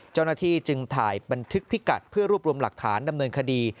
เจ้าหน้าที่จึงถ่ายบันทึกพิกัดเพื่อรวบรวมหลักฐานดำเนินคดี